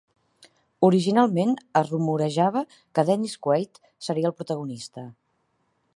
Originalment es rumorejava que Dennis Quaid seria el protagonista.